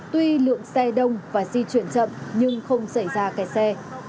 tuy lượng xe đông và di chuyển chậm nhưng không xảy ra kẹt xe